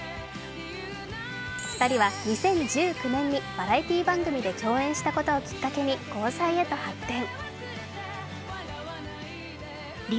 ２人は２０１９年にバラエティー番組で共演したことをきっかけに交際へと発展。